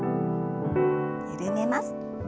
緩めます。